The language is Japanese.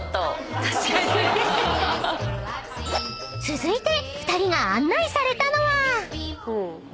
［続いて２人が案内されたのは］